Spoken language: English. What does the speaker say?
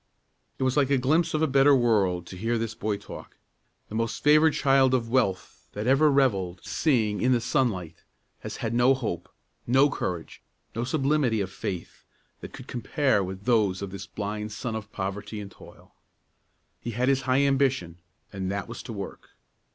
It was like a glimpse of a better world to hear this boy talk. The most favored child of wealth that ever revelled seeing in the sunlight has had no hope, no courage, no sublimity of faith, that could compare with those of this blind son of poverty and toil. He had his high ambition, and that was to work.